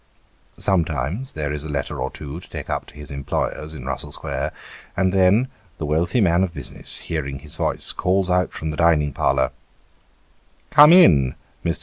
Sometimes, there is a letter or two to take up to his employer's, in Russell Square ; and then, the wealthy man of business, hearing his voice, calls out from the dining parlour, " Come in, Mr. A Misanthrope.